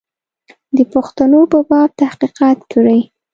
د پښتنو په باب تحقیقات کړي.